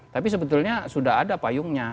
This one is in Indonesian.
tapi sebetulnya sudah ada payungnya